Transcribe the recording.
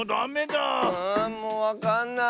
もうわかんない。